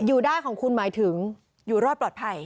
อยู่ได้ของคุณหมายถึงอยู่รอดปลอดภัย